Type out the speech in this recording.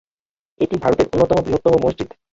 এটি ভারতের অন্যতম বৃহত্তম মসজিদ।